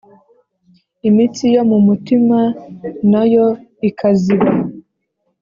Imitsi yomumutima nayo ikaziba